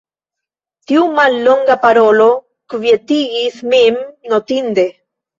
Tiu mallonga parolo kvietigis min notinde.